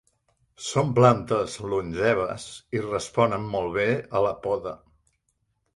Són plantes longeves i responen molt bé a la poda.